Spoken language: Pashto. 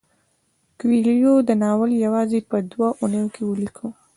کویلیو دا ناول یوازې په دوه اونیو کې ولیکه.